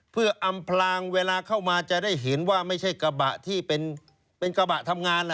เพื่ออำพลางเวลาเข้ามาจะได้เห็นว่าไม่ใช่กระบะที่เป็นกระบะทำงาน